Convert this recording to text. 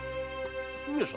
上様